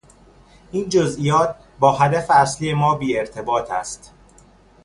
این جزئیات با هدف اصلی ما بی ارتباط است.